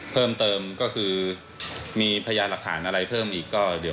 เพิ่มเติมคือมีพยาหลักฐานอะไรเพิ่มอีก